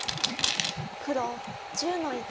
黒１０の一。